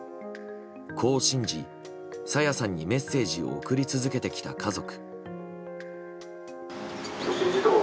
こう信じ、朝芽さんにメッセージを送り続けてきた家族。